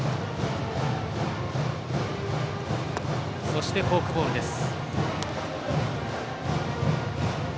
そしてフォークボールです。